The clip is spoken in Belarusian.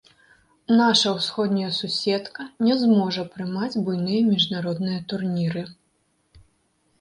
Наша ўсходняя суседка не зможа прымаць буйныя міжнародныя турніры.